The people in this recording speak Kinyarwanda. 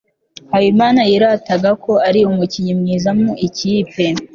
habimana yirataga ko ari umukinnyi mwiza mu ikipe